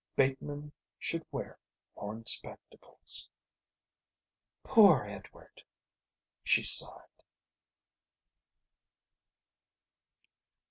Bateman should wear horn spectacles. "Poor Edward," she sighed.